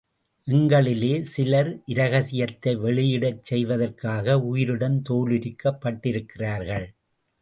எங்களிலே சிலர், இரகசியத்தை வெளியிடச் செய்வதற்காக உயிருடன் தோலுரிக்கப் பட்டிருக்கிறார்கள்.